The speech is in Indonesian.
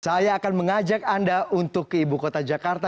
saya akan mengajak anda untuk ke ibu kota jakarta